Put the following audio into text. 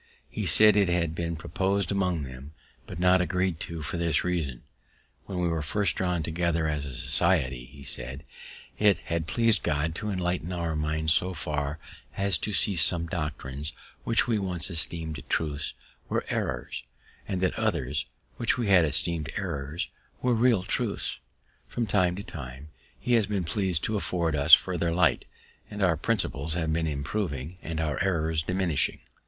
He said that it had been propos'd among them, but not agreed to, for this reason: "When we were first drawn together as a society," says he, "it had pleased God to enlighten our minds so far as to see that some doctrines, which we once esteemed truths, were errors; and that others, which we had esteemed errors, were real truths. From time to time He has been pleased to afford us farther light, and our principles have been improving, and our errors diminishing.